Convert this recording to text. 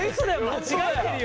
間違ってるよ！